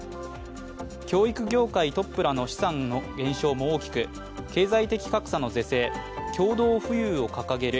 教育業界トップらの資産の減少も大きく経済的格差の是正、共同富裕を掲げる